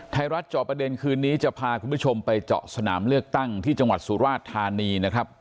เจาะประเด็นคืนนี้จะพาคุณผู้ชมไปเจาะสนามเลือกตั้งที่จังหวัดสุราชธานีนะครับ